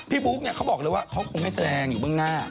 บุ๊กเนี่ยเขาบอกเลยว่าเขาคงไม่แสดงอยู่เบื้องหน้า